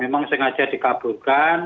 memang sengaja dikaburkan